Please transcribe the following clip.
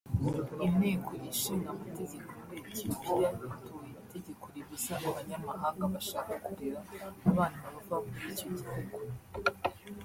Inteko ishinga amategeko muri Etiyopiya yatoye itegeko ribuza abanyamahanga bashaka kurera abana bava muri icyo gihugu